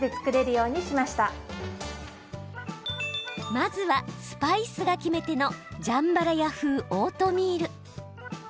まずは、スパイスが決め手のジャンバラヤ風オートミール。